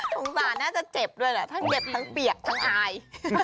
สงสารน่าจะเจ็บด้วยแหละทั้งเจ็บทั้งเปียกทั้งอาย